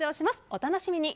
お楽しみに。